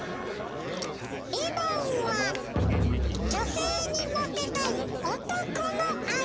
リボンは女性にモテたい男のアイテム。